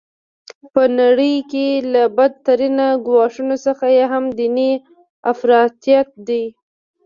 په نړۍ کي له بد ترینه ګواښونو څخه یو هم دیني افراطیت دی.